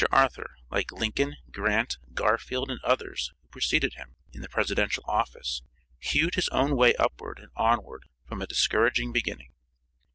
Arthur, like Lincoln, Grant, Garfield and others who preceded him in the presidential office, hewed his own way upward and onward from a discouraging beginning.